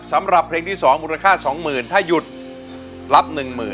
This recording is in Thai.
สำหรับเพลงที่๒มูลค่า๒๐๐๐ถ้าหยุดรับ๑๐๐๐